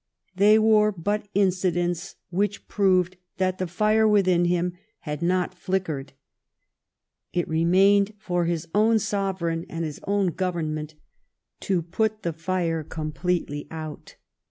They were but incidents which proved that the fire within him had not flickered. It remained for his own Sovereign and his own Government to put the fire completely out.